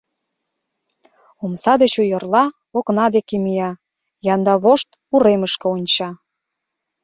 Омса деч ойырла, окна деке мия, янда вошт уремышке онча.